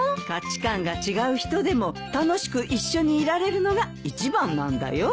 価値観が違う人でも楽しく一緒にいられるのが一番なんだよ。